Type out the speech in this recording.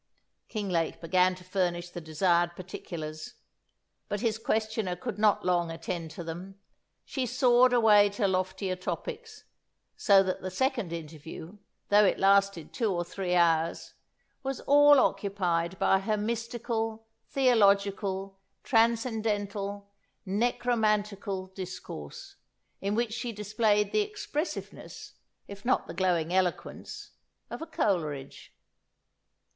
Kinglake began to furnish the desired particulars; but his questioner could not long attend to them. She soared away to loftier topics; so that the second interview, though it lasted two or three hours, was all occupied by her mystical, theological, transcendental, necromantical discourse, in which she displayed the expressiveness, if not the glowing eloquence, of a Coleridge.